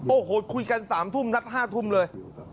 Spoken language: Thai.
โอ้โหคุยกัน๓ทุ่มนัด๕ทุ่มเลย